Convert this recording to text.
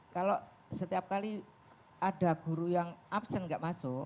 kalau setiap kali ada guru yang absen gak masuk